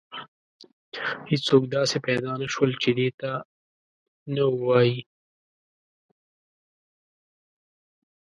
هیڅوک داسې پیدا نه شول چې دې ته نه ووایي.